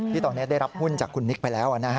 ที่ตอนนี้ได้รับหุ้นจากคุณนิกไปแล้ว